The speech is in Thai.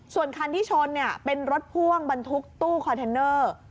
ส่วนคันที่ชนเป็นรถพ่วงบรรทุกตู้คอนเทนเนอร์